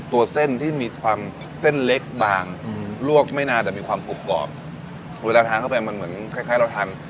ตัวเส้นที่มีความเส้นเล็กบางลวกไม่นานแต่มีความกรุบกรอบเวลาทานเข้าไปมันเหมือนคล้ายคล้ายเราทาน